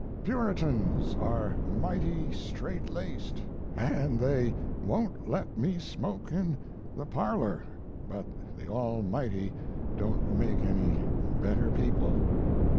Puritans are mighty straight laced, and they won't let me smoke in the parlor, but the Almighty don't make any better people.